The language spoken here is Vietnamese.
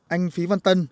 anh phí văn tân